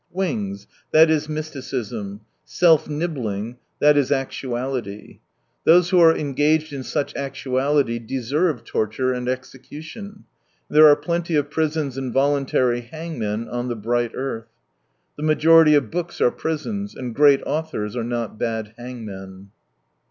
Wings — that is mysticism ; self nibbling — this is actuality. Those who are engaged in such actuality deserve torture and execu tion. And there are plenty of prisons and voluntary hangmen on the bright earth. The majority of books are prisons, and great authors are not bad hangmen.